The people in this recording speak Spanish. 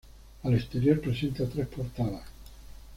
Al exterior presenta tres portadas.